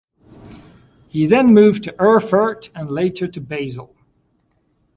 He then moved to Erfurt and later to Basel.